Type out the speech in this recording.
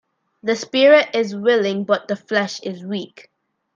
The spirit is willing but the flesh is weak.